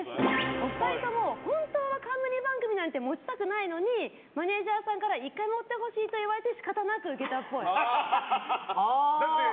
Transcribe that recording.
お二人とも本当は冠番組なんて持ちたくないのにマネジャーさんから１回持ってほしいと言われて仕方なく受けたっぽい。